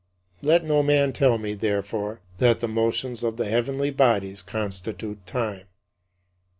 Let no man tell me, therefore, that the motions of the heavenly bodies constitute time.